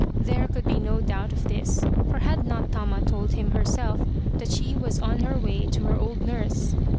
There could be no doubt of this, for had not Tama told him herself that she was on her way to her old nurse.